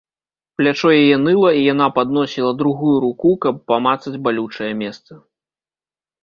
Плячо яе ныла, і яна падносіла другую руку, каб памацаць балючае месца.